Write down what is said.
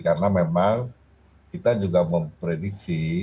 karena memang kita juga memprediksi